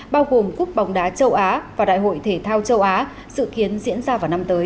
bao gồm cúc bóng đá châu á và đại hội thể thao châu á sự kiến diễn ra vào năm tới